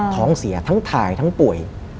ท้องเสียทั้งถ่ายทั้งป่วย